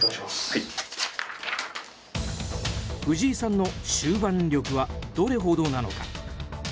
藤井さんの終盤力はどれほどなのか。